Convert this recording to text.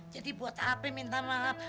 jadi buat capek minta maaf